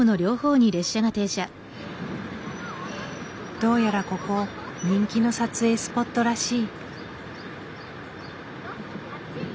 どうやらここ人気の撮影スポットらしい。